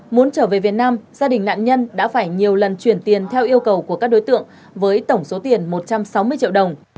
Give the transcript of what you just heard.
muốn trở về việt nam gia đình nạn nhân đã phải nhiều lần chuyển tiền theo yêu cầu của các đối tượng với tổng số tiền một trăm sáu mươi triệu đồng